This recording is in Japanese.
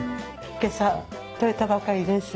今朝取れたばかりです。